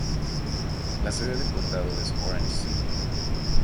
La sede del condado es Orange City.